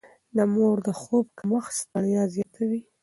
د مور د خوب کمښت ستړيا زياتوي.